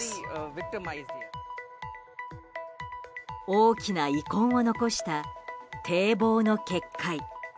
大きな遺恨を残した堤防の決壊。